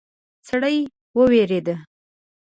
سړی وویرید.